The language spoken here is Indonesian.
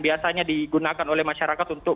biasanya digunakan oleh masyarakat untuk